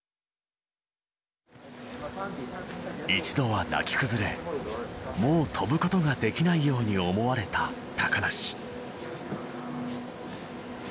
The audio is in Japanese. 一度は泣き崩れもう飛ぶことができないように思われた梨。